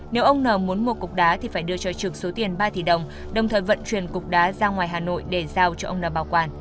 nếu ông n muốn mua cục đá thì phải đưa cho trực số tiền ba tỷ đồng đồng thời vận chuyển cục đá ra ngoài hà nội để giao cho ông n bảo quản